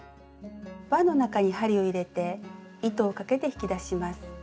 わの中に針を入れて糸をかけて引き出します。